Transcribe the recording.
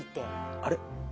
あれ？